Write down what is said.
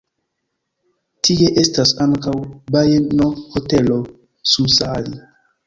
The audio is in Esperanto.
Tie estas ankaŭ bajenohotelo Summassaari.